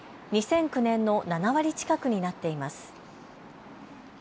２００９年の７割近くになっています。